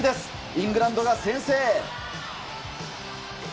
イングランドが先制。